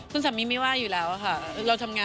คุณสามีไม่ว่าอยู่แล้วค่ะ